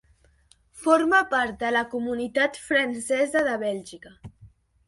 Forma part de la Comunitat Francesa de Bèlgica.